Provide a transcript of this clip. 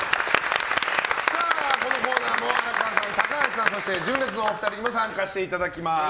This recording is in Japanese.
このコーナーも荒川さん、高橋さんそして純烈のお二人に参加していただきます。